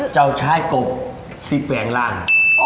เจ้าชายกบที่แปลงร่าง